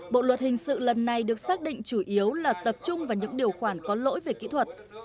bộ luật hình sự lần này được xác định chủ yếu là tập trung vào những điều khoản có lỗi về kỹ thuật